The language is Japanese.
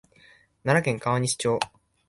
奈良県川西町